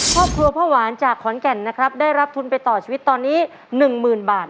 ครอบครัวพ่อหวานจากขอนแก่นนะครับได้รับทุนไปต่อชีวิตตอนนี้๑๐๐๐บาท